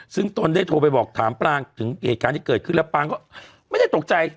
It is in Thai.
ซึ่งตนได้โทรไปบอกถามปรางถึงเหตุการณ์ที่เกิดขึ้นแล้วปางก็ไม่ได้ตกใจ